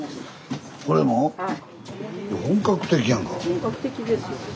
本格的ですよ。